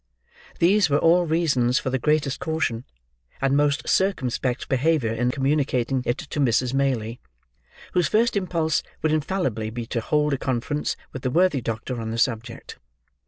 These were all reasons for the greatest caution and most circumspect behaviour in communicating it to Mrs. Maylie, whose first impulse would infallibly be to hold a conference with the worthy doctor on the subject.